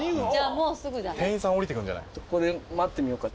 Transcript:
ここで待ってみようか。